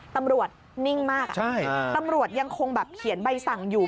ตำรวจนิ่งมากใช่อ่าตำรวจยังคงแบบเขียนใบสั่งอยู่